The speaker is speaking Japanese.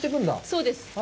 そうです。